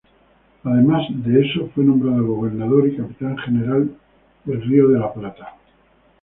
Además de eso fue nombrado gobernador y capitán general del Río de la Plata.